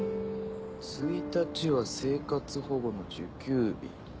一日は生活保護の受給日。